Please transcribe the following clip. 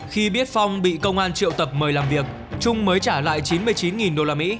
khi biết phong bị công an triệu tập mời làm việc trung mới trả lại chín mươi chín usd